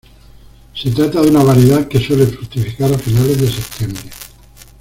Se trata de una variedad que suele fructificar a finales de septiembre.